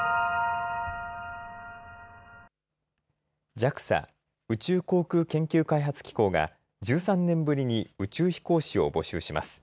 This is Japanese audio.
ＪＡＸＡ・宇宙航空研究開発機構が１３年ぶりに宇宙飛行士を募集します。